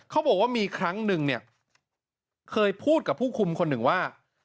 เขาบอกว่ามีครั้งหนึ่งเนี่ยเคยพูดกับผู้คุมคนหนึ่งว่า